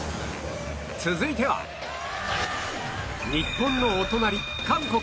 続いては日本のお隣韓国